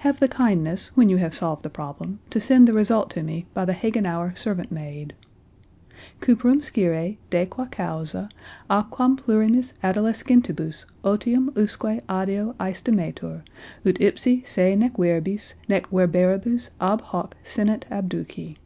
Have the kindness when you have solved the problem to send the result to me by the Hagenauer servant maid." "Cuperem scire, de qua causa, a quam plurimis adolescentibus ottium usque adeo aestimetur, ut ipsi se nec verbis, nec verberibus ab hoc sinant abduci."